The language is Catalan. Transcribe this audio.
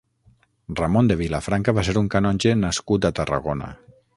Ramon de Vilafranca va ser un canonge nascut a Tarragona.